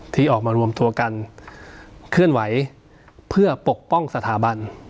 ที่ออกมารวมตัวกันเคลื่อนไหวเพื่อปกป้องสถาบัน